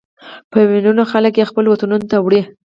په ملیونونو خلک یې خپلو وطنونو ته وړي.